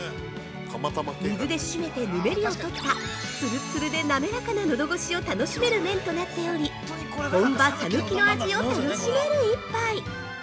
水で締めて、ぬめりを取ったツルツルで滑らかなのどごしを楽しめる麺となっており本場・讃岐の味を楽しめる１杯。